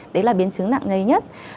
đấy là biến chứng nặng nhất